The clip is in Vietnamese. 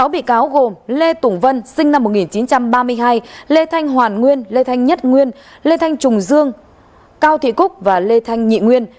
sáu bị cáo gồm lê tùng vân sinh năm một nghìn chín trăm ba mươi hai lê thanh hoàn nguyên lê thanh nhất nguyên lê thanh trùng dương cao thị cúc và lê thanh nhị nguyên